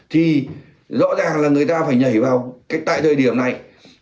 thì rõ ràng là người ta phải nhảy vào tại thời điểm này